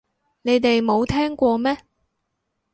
你哋冇聽過咩